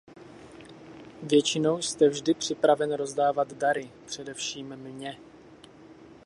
Většinou jste vždy připraven rozdávat dary, především mně.